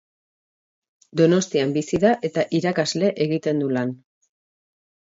Donostian bizi da eta irakasle egiten du lan.